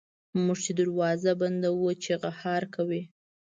موږ چي دروازه بندوو چیغهار کوي.